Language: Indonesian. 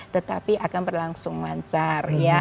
tetapi akan berlangsung wancar